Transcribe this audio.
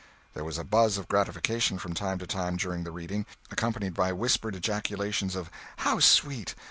There was a buzz of gratification from time to time during the reading, accompanied by whispered ejaculations of "How sweet!"